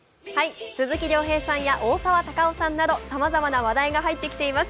鈴木亮平さんや大沢たかおさんなどさまざまな話題が入ってきています。